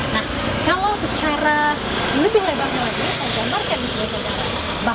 nah kalau secara lebih lebar lagi saya gambarkan di sisi sekarang